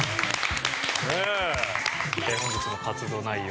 本日の活動内容。